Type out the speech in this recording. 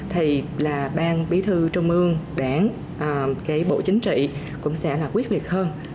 thì là ban bí thư trung ương đảng cái bộ chính trị cũng sẽ là quyết liệt hơn